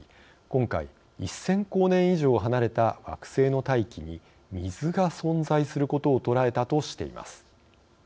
今回１，０００光年以上離れた惑星の大気に水が存在することを捉えたとしています。